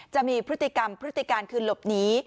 จะมีพฤติกรรมพฤติการคือหลบหนี